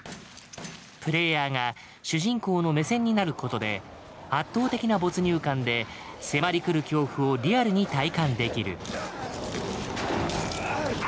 プレイヤーが主人公の目線になることで圧倒的な没入感で迫り来る恐怖をリアルに体感できる。